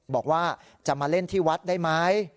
บอกว่าจะมาเล่นที่วัดได้ไหม